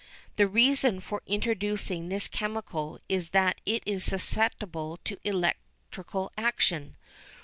The reason for introducing this chemical is that it is susceptible to electrical action.